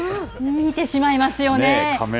見入ってしまいますよね。